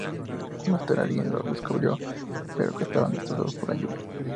Más tarde, alguien los descubrió, pero estaban destrozados por la lluvia.